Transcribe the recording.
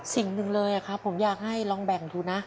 สิ่งหนึ่งเลยครับผมอยากให้ลองแบ่งดูนะ